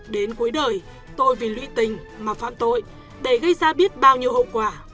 đến cuối đời tôi vì lũy tình mà phản tội để gây ra biết bao nhiêu hậu quả